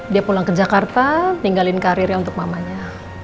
dia pulang ke jakarta tinggalin karirnya untuk mamanya